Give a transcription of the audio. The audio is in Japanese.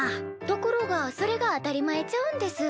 ところがそれが当たり前ちゃうんです。